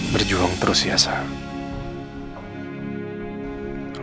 berjuang terus ya sahab